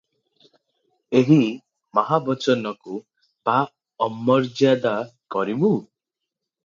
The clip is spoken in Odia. ଏହି ମହାବଚନକୁ ବା ଅମର୍ଯ୍ୟାଦା କରିବୁଁ ।